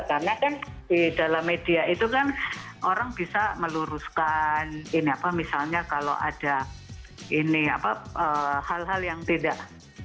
karena kan di dalam media itu kan orang bisa meluruskan ini apa misalnya kalau ada ini apa hal hal yang tidak